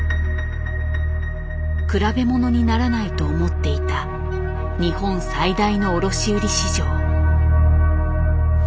比べ物にならないと思っていた日本最大の卸売市場。